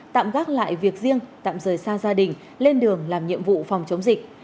tạm gác lại việc riêng tạm rời xa gia đình lên đường làm nhiệm vụ phòng chống dịch